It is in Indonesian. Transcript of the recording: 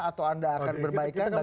apakah akan menjadi mediator ke istana